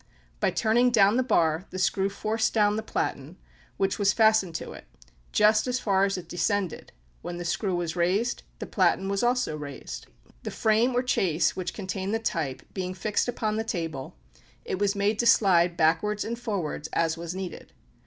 By turning down the bar, the screw forced down the platen, which was fastened to it, just as far as it descended; when the screw was raised, the platen was also raised. The frame or chase which contained the type being fixed upon the table, it was made to slide backwards and forwards as was needed.